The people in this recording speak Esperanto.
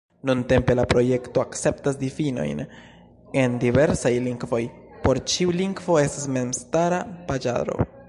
Nuntempe la projekto akceptas difinojn en diversaj lingvoj: por ĉiu lingvo estas memstara paĝaro.